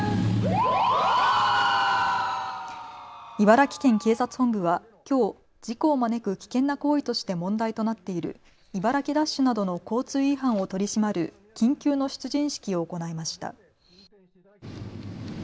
茨城県警察本部はきょう事故を招く危険な行為として問題となっている茨城ダッシュなどの交通違反を取り締まる緊急の出陣式を行いました。